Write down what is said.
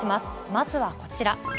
まずはこちら。